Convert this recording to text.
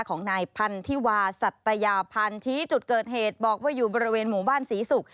ของนายพันธิวาสัตยาพันธ์ชี้จุดเกิดเหตุบอกว่าอยู่บริเวณหมู่บ้านศรีศุกร์